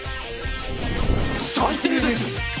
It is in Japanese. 最低です。